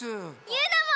ゆうなも！